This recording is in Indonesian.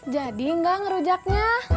jadi enggak ngerujaknya